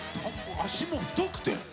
足も太くて。